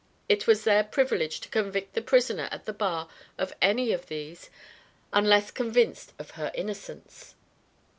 It was their privilege to convict the prisoner at the bar of any of these, unless convinced of her innocence.